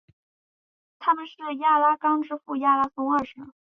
他们是亚拉冈之父亚拉松二世。